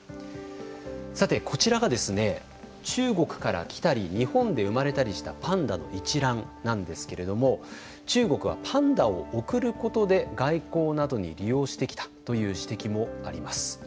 さてこちらがですね中国から来たりパンダの一覧なんですけれども中国はパンダを贈ることで外交などに利用してきたという指摘もあります。